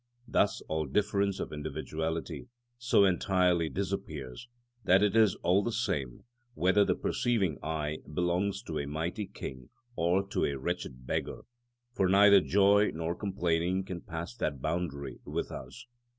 Thus all difference of individuality so entirely disappears, that it is all the same whether the perceiving eye belongs to a mighty king or to a wretched beggar; for neither joy nor complaining can pass that boundary with us.